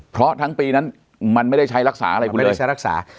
เพราะทั้งปีนั้นมันไม่ได้ใช้รักษาอะไรคุณเลย